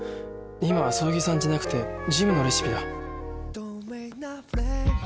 今はそよぎさんじゃなくてジムのレシピだ